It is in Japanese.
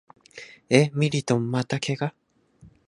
え、ミリトンまた怪我？